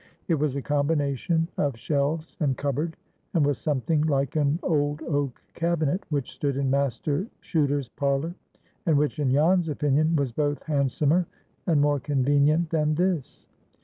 It was a combination of shelves and cupboard, and was something like an old oak cabinet which stood in Master Chuter's parlor, and which, in Jan's opinion, was both handsomer and more convenient than this.